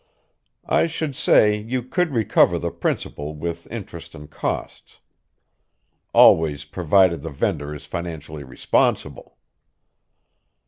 I should say you could recover the principal with interest and costs. Always provided the vendor is financially responsible."